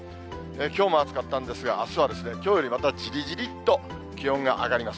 きょうも暑かったんですが、あすはきょうよりまたじりじりっと気温が上がります。